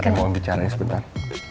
atau mau om bicarain sebentar